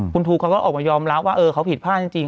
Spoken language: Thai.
คุณทูเขาก็ออกมายอมรับว่าเขาผิดพลาดจริง